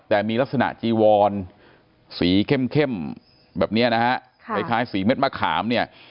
แต่มีลักษณะจีวอนสีเข้มแบบนี้นะฮะคล้ายสีเม็ดมะขามเนี่ย